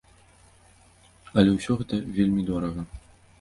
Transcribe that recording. Але ўсё гэта вельмі дорага!